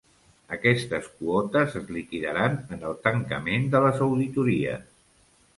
Aquestes quotes es liquidaran en el tancament de les auditories.